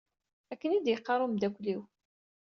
Akken i d-yeqqar umeddakkel-iw.